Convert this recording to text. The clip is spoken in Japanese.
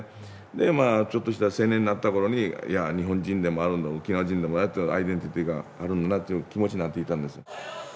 でまあちょっとした青年になったころにいや日本人でもあるんだ沖縄人でもあるってアイデンティティーがあるんだなという気持ちになっていたんですよ。